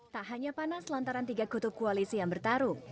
tak hanya panas lantaran tiga kutub koalisi yang bertarung